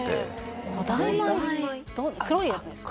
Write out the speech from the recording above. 黒いやつですか？